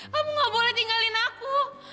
kamu gak boleh tinggalin aku